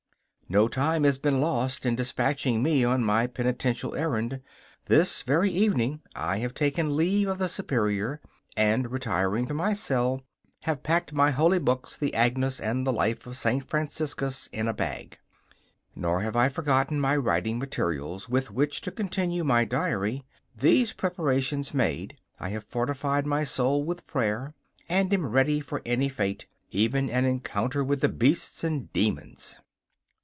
No time has been lost in dispatching me on my penitential errand. This very evening I have taken leave of the Superior, and, retiring to my cell, have packed my holy books, the Agnus and the Life of St. Franciscus, in a bag. Nor have I forgotten my writing materials with which to continue my diary. These preparations made, I have fortified my soul with prayer, and am ready for any fate, even an encounter with the beasts and demons.